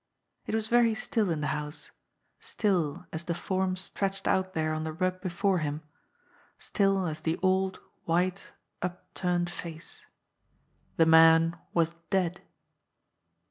It was very still in the house, still as the form stretched out there on the rug before him, still as the old, white, up turned face. The man was dead.